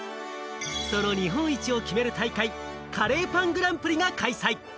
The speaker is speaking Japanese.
その日本一を決める大会・カレーパングランプリが開催。